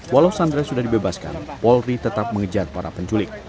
walau sandra sudah dibebaskan polri tetap mengejar para penculik